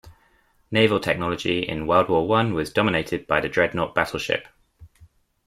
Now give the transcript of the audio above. Naval technology in World War One was dominated by the dreadnought battleship.